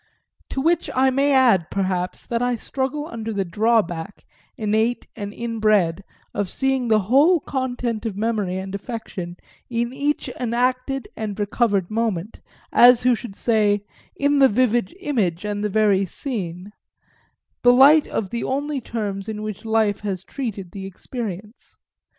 To which I may add perhaps that I struggle under the drawback, innate and inbred, of seeing the whole content of memory and affection in each enacted and recovered moment, as who should say, in the vivid image and the very scene; the light of the only terms in which life has treated me to experience.